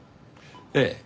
ええ。